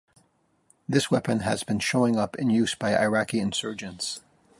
This weapon has been showing up in use by Iraqi insurgents.